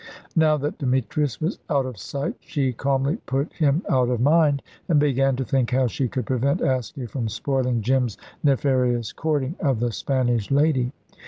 Now that Demetrius was out of sight she calmly put him out of mind, and began to think how she could prevent Askew from spoiling Jim's nefarious courting of the Spanish lady.